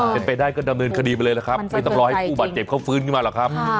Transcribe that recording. เป็นไปได้ก็ดำเนินคดีไปเลยล่ะครับไม่ต้องรอให้ผู้บาดเจ็บเขาฟื้นขึ้นมาหรอกครับ